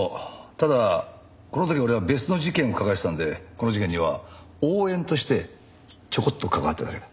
ただこの時俺は別の事件を抱えてたんでこの事件には応援としてちょこっと関わっただけだ。